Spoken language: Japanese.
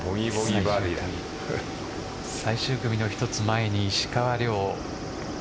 最終組の１つ前に石川遼。